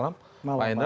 selamat malam pak heindra